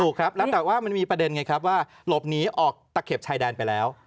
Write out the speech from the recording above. ถูกครับแล้วแต่ว่ามันมีประเด็นไงครับว่าหลบหนีออกตะเข็บชายแดนไปแล้ว